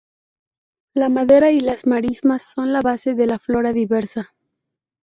La madera y las marismas son la base de la flora diversa.